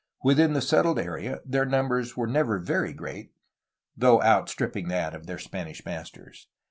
Within the settled area their numbers were never very great, though outstripping that of their Spanish masters.